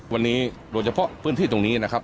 วันนี้โดยเฉพาะพื้นที่ตรงนี้นะครับ